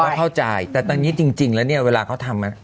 ก็เข้าใจแต่ตอนนี้จริงแล้วเนี่ยเวลาเขาทำ